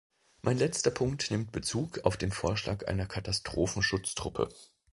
Mein letzter Punkt nimmt Bezug auf den Vorschlag einer Katastrophenschutztruppe.